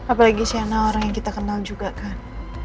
apalagi sena orang yang kita kenal juga kan